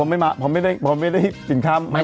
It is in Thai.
แต่ผมไม่ได้สินค้ามากเลย